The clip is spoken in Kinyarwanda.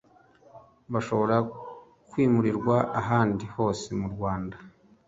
bashobora kwimurirwa ahandi hose mu Rwanda